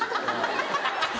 ハハハハ！